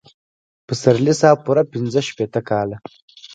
پسرلي صاحب پوره پنځه شپېته کاله.